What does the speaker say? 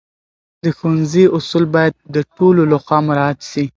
د ښوونځي اصول باید د ټولو لخوا مراعت سي.